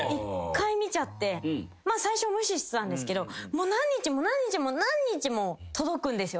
最初無視してたんですけど何日も何日も何日も届くんですよ。